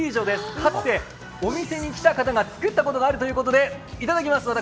かつてお店に来た方が作ったことがあるということで、頂きます、私。